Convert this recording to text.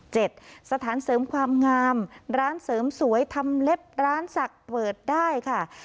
สถานเสริมความงามร้านเสริมสวยทำเล็บร้านศักดิ์เปิดได้ค่ะ